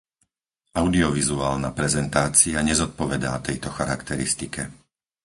Audiovizuálna prezentácia nezodpovedá tejto charakteristike.